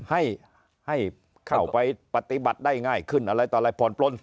ให้ให้เข้าไปปฏิบัติได้ง่ายขึ้นอะไรต่ออะไรผ่อนปลน